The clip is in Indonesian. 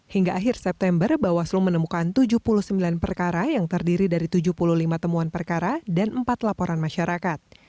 hingga akhir september bawaslu menemukan tujuh puluh sembilan perkara yang terdiri dari tujuh puluh lima temuan perkara dan empat laporan masyarakat